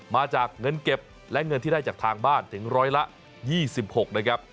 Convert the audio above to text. มาจากเงินเก็บและเงินที่ได้จากทางบ้านถึงร้อยละ๒๖นะครับ